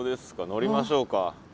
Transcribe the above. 乗りましょうか。